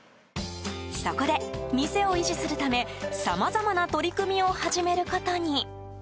そこで、店を維持するためさまざまな取り組みを始めることに。